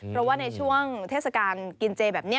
เพราะว่าในช่วงเทศกาลกินเจแบบนี้